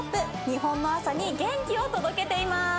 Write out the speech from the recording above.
日本の朝に元気を届けています。